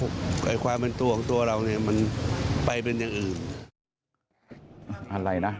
ด้วยความสัตว์จริงจะไม่เกิดไม่ทัก